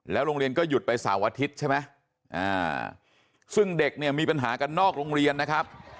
โรงเรียนก็หยุดไปเสาร์อาทิตย์ใช่ไหมซึ่งเด็กเนี่ยมีปัญหากันนอกโรงเรียนนะครับ